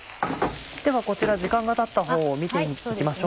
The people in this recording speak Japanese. ではこちら時間がたったほうを見て行きましょう。